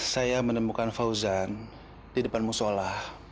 saya menemukan fauzan di depan musola